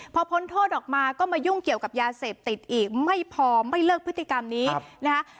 พอพ้นโทษออกมาก็มายุ่งเกี่ยวกับยาเสพติดอีกไม่พอไม่เลิกพฤติกรรมนี้นะคะ